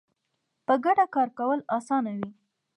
په ګډه کار کول اسانه وي